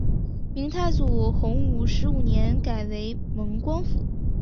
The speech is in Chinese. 明太祖洪武十五年改为蒙光府。